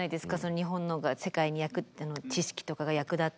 日本のが世界に知識とかが役立って。